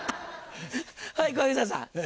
はい小遊三さん。